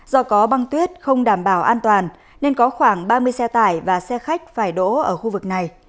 do có băng tuyết không đảm bảo an toàn nên có khoảng ba mươi xe tải và xe khách phải đỗ ở khu vực này